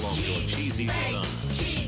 チーズ！